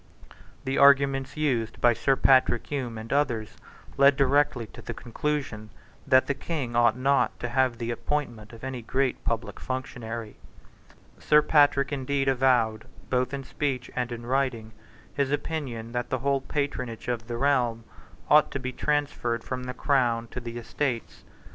The arguments used by Sir Patrick Hume and others led directly to the conclusion that the King ought not to have the appointment of any great public functionary. Sir Patrick indeed avowed, both in speech and in writing, his opinion that the whole patronage of the realm ought to be transferred from the Crown to the Estates.